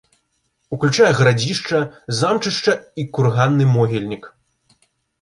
Уключае гарадзішча, замчышча і курганны могільнік.